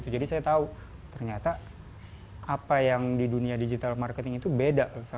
jadi saya tahu ternyata apa yang di dunia digital marketing itu beda